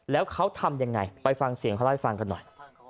แล้วเขาทำยังไงไปฟังเสียงเขาเล่าให้ฟังกันหน่อย